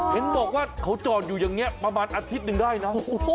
เห็นบอกว่าเขาจอดอยู่อย่างนี้ประมาณอาทิตย์หนึ่งได้นะ